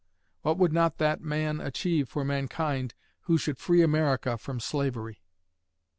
What would not that man achieve for mankind who should free America from slavery?